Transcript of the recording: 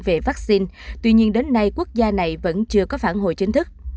về vắc xin tuy nhiên đến nay quốc gia này vẫn chưa có phản hồi chính thức